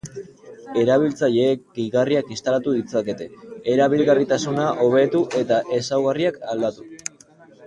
Erabiltzaileek gehigarriak instalatu ditzakete erabilgarritasuna hobetu eta ezaugarriak aldatuz.